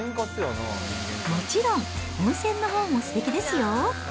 もちろん温泉のほうもすてきですよ。